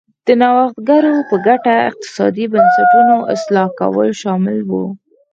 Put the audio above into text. د نوښتګرو په ګټه اقتصادي بنسټونو اصلاح کول شامل و.